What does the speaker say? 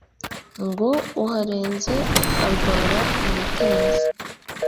ngo uharenze arwara imitezi